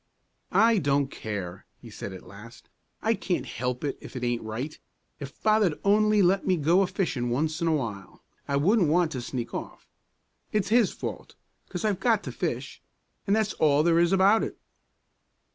"I don't care!" he said at last. "I can't help it if it aint right. If Father'd only let me go a fishing once in a while, I wouldn't want to sneak off. It's his fault; 'cause I've got to fish, and that's all there is about it."